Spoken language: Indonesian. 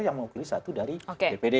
yang mewakili satu dari dpd